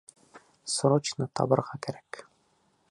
Срочно табырға кәрәк!